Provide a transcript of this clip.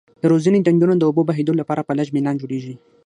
د روزنې ډنډونه د اوبو بهیدو لپاره په لږ میلان جوړیږي.